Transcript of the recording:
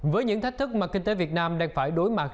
với những thách thức mà kinh tế việt nam đang phải đối mặt